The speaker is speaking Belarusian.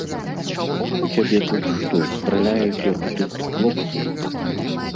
У цябе тут што, страляюць, як у тых хлопцаў?!